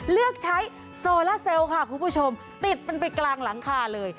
เลือกใช้โซล่าเซลล์ค่ะคุณผู้ชมติดมันไปกลางหลังคาเลย